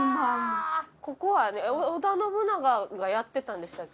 ここは織田信長がやってたんでしたっけ？